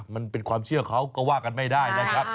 มันเป็นความเชื่อเขาก็ว่ากันไม่ได้นะครับ